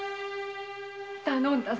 頼んだぞ。